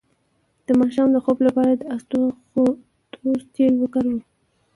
د ماشوم د خوب لپاره د اسطوخودوس تېل وکاروئ